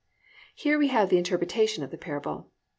"+ Here we have the interpretation of the parable.